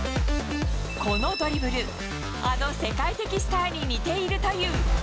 このドリブル、あの世界的スターに似ているという。